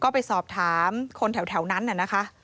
ก็ไปสอบถามคนแถวนั้นน่ะนะคะ